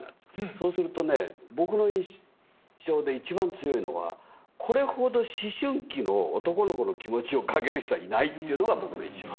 そうするとね僕の印象で一番強いのはこれほど思春期の男の子の気持ちを描ける人はいないというのが僕の印象。